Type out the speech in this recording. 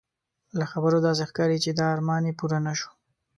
له خبرو داسې ښکاري چې دا ارمان یې پوره نه شو.